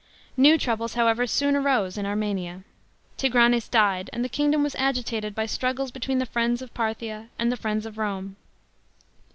New troubles, however, soon arose in Armenia. Tigranes died, and the kingdom was agitated by struggles between the friends of Parthia and the friends of Rome.